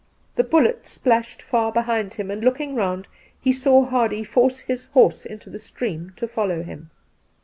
The bullet splashed far behind him, and, looking round, he saw Hardy force his horse iato the stream to follow him.